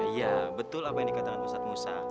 iya betul apa yang dikatakan pusat musa